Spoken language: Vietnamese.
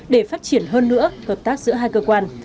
để phát triển hơn nữa hợp tác giữa hai cơ quan